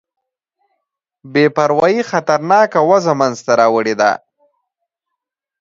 بې پروايي خطرناکه وضع منځته راوړې ده.